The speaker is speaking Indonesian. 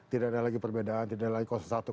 tidak ada lagi perbedaan tidak ada lagi satu dua